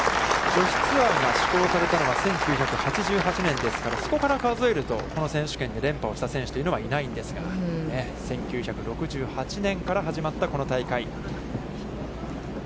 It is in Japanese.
女子ツアーが施行されたのは、１９９８年ですから、そこから数えるとこの選手権で連覇をした選手はいないんですが、１９６８年から始まったこの大会。